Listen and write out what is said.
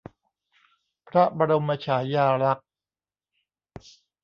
พระบรมฉายาลักษณ์